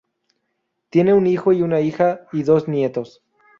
Tienen un hijo y una hija y dos nietos.